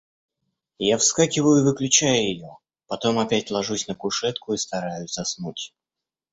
Я вскакиваю и выключаю ее, потом опять ложусь на кушетку и стараюсь заснуть.